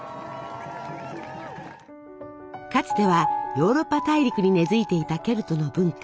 かつてはヨーロッパ大陸に根づいていたケルトの文化。